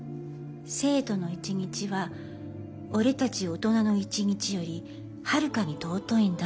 生徒の一日は俺たち大人の一日より遥かに尊いんだって。